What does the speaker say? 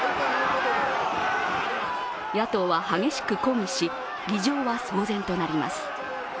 野党は激しく抗議し議場は騒然となります。